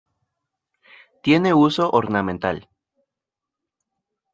Tiene uso ornamental.